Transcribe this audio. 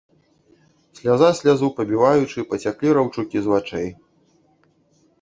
Сляза слязу пабіваючы, пацяклі раўчукі з вачэй.